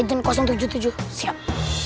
izin tujuh puluh tujuh siap